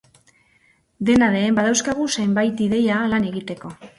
Dena den, badauzkagu zenbait ideia lan egiteko.